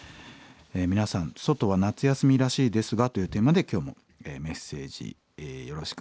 皆さん「ソトは夏休みらしいですが」というテーマで今日もメッセージよろしくお願いいたします。